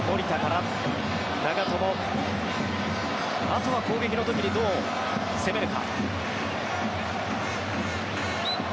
あとは攻撃の時にどう攻めるか。